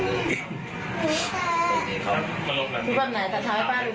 ใครเป็นคนทุศ